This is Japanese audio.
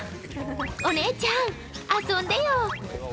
お姉ちゃん、遊んでよ。